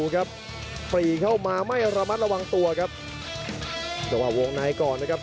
วันที่เข้ามามาจากด้วยสุดครับ